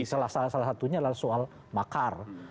salah satunya adalah soal makar